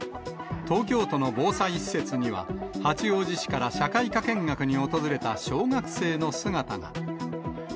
東京都の防災施設には、八王子市から社会科見学に訪れた小学生の姿が。